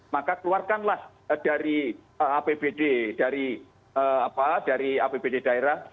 maka keluarkanlah dari apbd dari apbd daerah